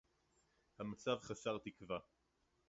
המצב חסר־תקווה.